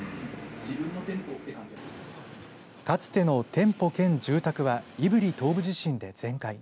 かつての店舗兼住宅は胆振東部地震で全壊。